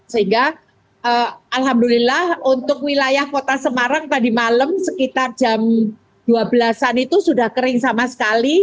sehingga alhamdulillah untuk wilayah kota semarang tadi malam sekitar jam dua belas an itu sudah kering sama sekali